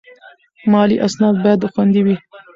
مالي اسناد باید خوندي وي.